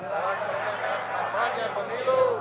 melaksanakan kampanye pemilu